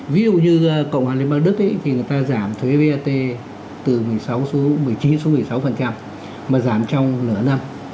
ví dụ như cộng hòa liên bang đức thì người ta giảm thuế vat từ một mươi chín xuống một mươi sáu mà giảm trong nửa năm